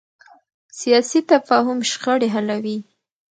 سیاسي تفاهم شخړې حلوي